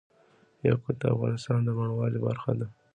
یاقوت د افغانستان د بڼوالۍ برخه ده.